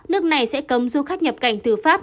nước này sẽ cấm du khách nhập cảnh từ pháp